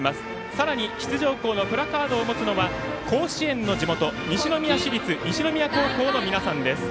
さらに出場校のプラカードを持つのは甲子園の地元西宮市立西宮高校の皆さんです。